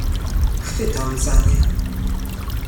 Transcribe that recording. "Chwytam za nie."